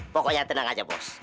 pokoknya tenang aja bos